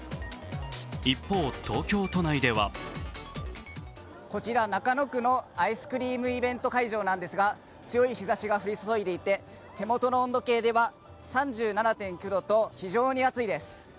一方、東京都内ではこちら中野区のアイスクリームイベント会場なんですが、強い日ざしが降り注いでいて手元の温度計では３７．９度と非常に暑いです。